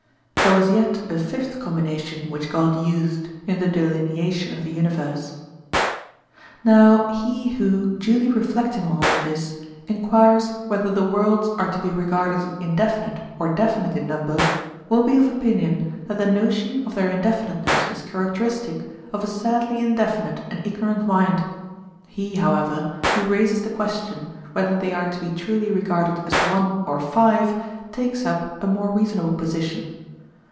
There was yet a fifth combination which God used in the delineation of the universe. Now, he who, duly reflecting on all this, enquires whether the worlds are to be regarded as indefinite or definite in number, will be of opinion that the notion of their indefiniteness is characteristic of a sadly indefinite and ignorant mind. He, however, who raises the question whether they are to be truly regarded as one or five, takes up a more reasonable position.